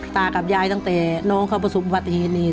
ตากับยายตั้งแต่น้องเขาประสบอุบัติเหตุนี้